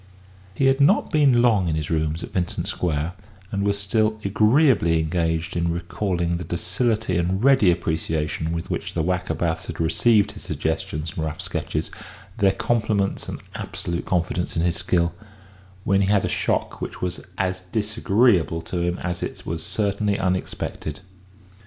He had not been long in his rooms at Vincent Square, and was still agreeably engaged in recalling the docility and ready appreciation with which the Wackerbaths had received his suggestions and rough sketches, their compliments and absolute confidence in his skill, when he had a shock which was as disagreeable as it was certainly unexpected.